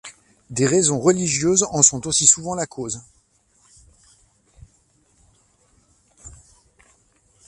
Des raisons religieuses en sont aussi souvent la cause.